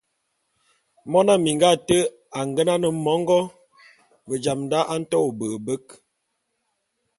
Mone minga ate a ngenan mongô, ve jam da a nto ôbe’ebek.